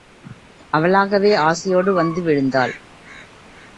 அவளாகவே ஆசையோடு வந்து விழுந்தாள்.